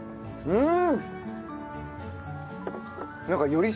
うん！